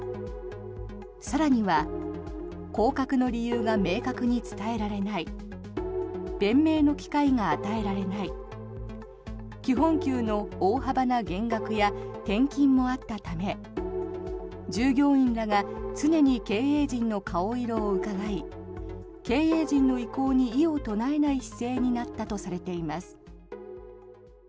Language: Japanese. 更には、降格の理由が明確に伝えられない弁明の機会が与えられない基本給の大幅な減額や転勤もあったため従業員らが常に経営陣の顔色をうかがい経営陣の意向に異を唱えない姿勢になったとされています。